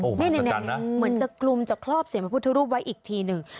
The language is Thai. โอ้โหอัศจรรย์นะเหมือนจะคลุมจะคลอบเสียงพระพุทธรูปไว้อีกทีหนึ่ง